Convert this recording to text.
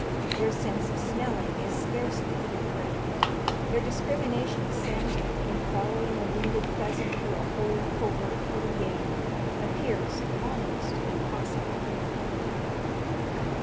Their sense of smelling is scarcely to be credited. Their discrimination of scent, in following a wounded pheasant through a whole covert full of game, appears almost impossible.